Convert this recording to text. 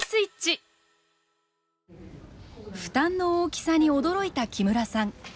負担の大きさに驚いた木村さん。